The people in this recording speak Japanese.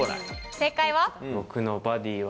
正解は？